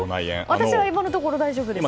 私は今のところ大丈夫です。